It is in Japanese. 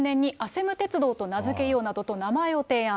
鉄道と名付けようなどと名前を提案。